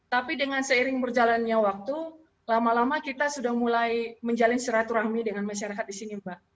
tapi dengan seiring berjalannya waktu lama lama kita sudah mulai menjalin siraturahmi dengan masyarakat di sini mbak